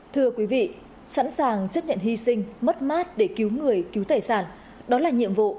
thưa quý vị sẵn sàng chấp nhận hy sinh mất mát để cứu người cứu tài sản đó là nhiệm vụ